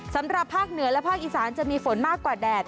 สำหรับภาคเหนือและภาคอีสานจะมีฝนมากกว่าแดด